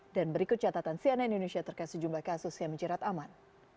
dan berikut catatan sianai indonesia terkait sejumlah kasus yang menjerat aman